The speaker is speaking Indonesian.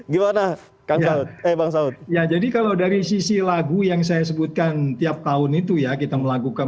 gimana kan banget ya jadi kalau dari sisi lagu yang saya sebutkan tiap tahun itu ya kita melakukan